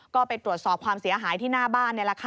ก็ไปตรวจสอบความเสียหายที่หน้าบ้าน